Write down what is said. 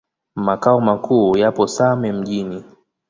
Makao makuu yapo Same Mjini.